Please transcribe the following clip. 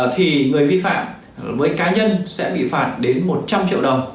thì người vi phạm với cá nhân sẽ bị phạt đến một trăm linh triệu đồng